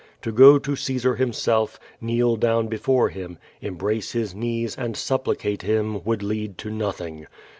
To go to Caesar himself, kneel down before him, embrace his knees, and sup l)licate him, would lead to nothing.